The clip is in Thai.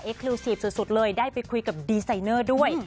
ลิวซีฟสุดเลยได้ไปคุยกับดีไซเนอร์ด้วย